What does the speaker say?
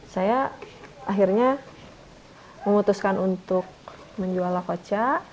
saya akhirnya memutuskan untuk menjual lah ocha